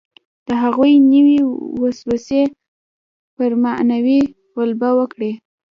د هغوی دنیوي وسوسې پر معنوي غلبه وکړي.